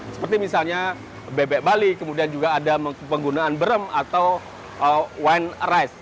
seperti misalnya bebek bali kemudian juga ada penggunaan berem atau wine rice